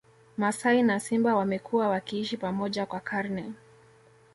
Masai na Simba wamekuwa wakiishi pamoja kwa karne